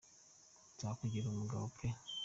Nzakugira umugabo pe!